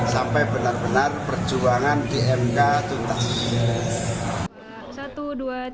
sampai benar benar perjuangan di mk tuntas